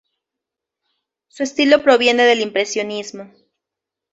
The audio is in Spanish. Su estilo proviene del impresionismo.